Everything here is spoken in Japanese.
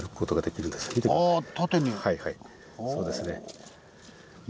そうですね。